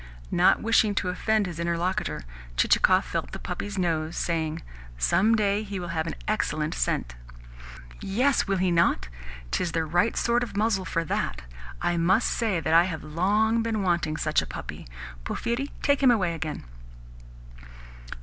Not wishing to offend his interlocutor, Chichikov felt the puppy's nose, saying: "Some day he will have an excellent scent." "Yes, will he not? 'Tis the right sort of muzzle for that. I must say that I have long been wanting such a puppy. Porphyri, take him away again."